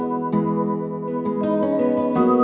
susah susah aplikasinya mas